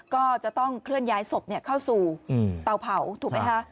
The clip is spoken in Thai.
ก็จะต้องเคลื่อนย้ายศพเข้าสู่เตาเผาถูกไหมคะ